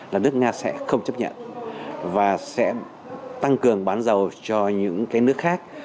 là nước nga sẽ không chấp nhận và sẽ tăng cường bán dầu cho những cái nước khác